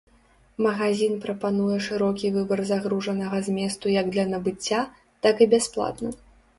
Магазін прапануе шырокі выбар загружанага зместу як для набыцця, так і бясплатна.